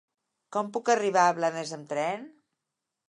Com puc arribar a Blanes amb tren?